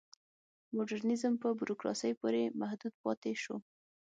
مډرنیزم په بوروکراسۍ پورې محدود پاتې شو.